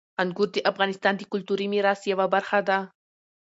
انګور د افغانستان د کلتوري میراث یوه برخه ده.